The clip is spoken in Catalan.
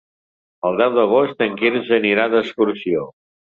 El deu d'agost en Quirze anirà d'excursió.